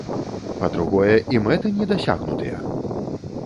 Па-другое, і мэты не дасягнутыя!